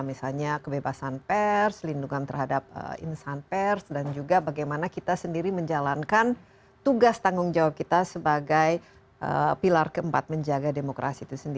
misalnya kebebasan pers lindungan terhadap insan pers dan juga bagaimana kita sendiri menjalankan tugas tanggung jawab kita sebagai pilar keempat menjaga demokrasi itu sendiri